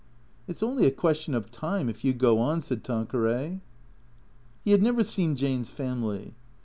" It 's only a question of time if you go on," said Tanqueray. He had never seen Jane's family.